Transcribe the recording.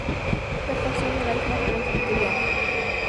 Fue pastor de la iglesia presbiteriana.